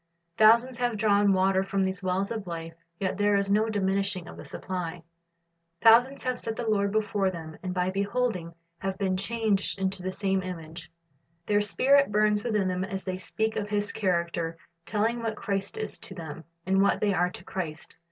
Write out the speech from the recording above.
Thousands have drawn water from these wells of life, yet there is no diminishing of the supply. Thousands have set the Lord before them, and by beholding have been changed into the 1 Rev. I : 3 2 John 17:3 134 Christ's Object Lessons same image. Their spirit burns within them as they speak of His character, telling what Christ is to them, and what they are to Christ.